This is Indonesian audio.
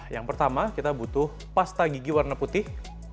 yang pertama kita butuh pasta gigi warna putih